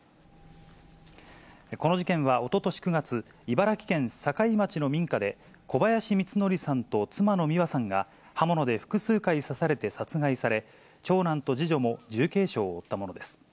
この事件は、おととし９月、茨城県境町の民家で、小林光則さんと妻の美和さんが、刃物で複数回刺されて殺害され、長男と次女も重軽傷を負ったものです。